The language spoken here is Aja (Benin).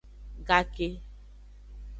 Gake.